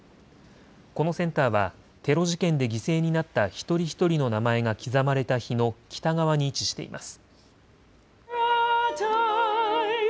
このセンターはテロ事件で犠牲になった一人ひとりの名前が刻まれた碑の北側に位置しています。